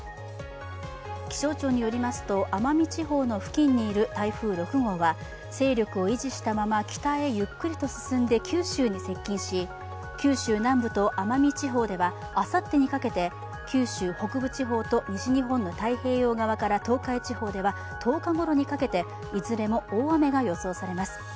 気象庁によりますと奄美地方の付近にいる台風６号は、勢力を維持したまま北へゆっくりと進んで九州に接近し、九州南部と奄美地方ではあさってにかけて九州北部地方と西日本の太平洋側から東海地方では、１０日ごろにかけていずれも大雨が予想されます。